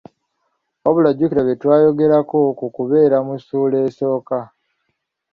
Wabula jjukira bye twayogerako ku kubeera mu ssuula esooka.